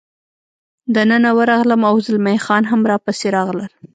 دننه ورغلم، او زلمی خان هم را پسې راغلل.